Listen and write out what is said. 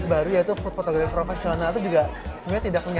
dari facebook ke dunia kalian ya